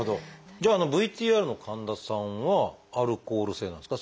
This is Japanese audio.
じゃあＶＴＲの神田さんはアルコール性なんですか？